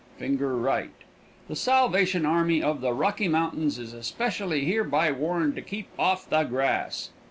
[finger right] The Salvation Army of the Rocky Mountains is especially hereby warned to keep off the Grass!